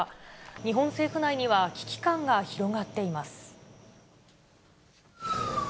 日本政府内には危機感が広がっています。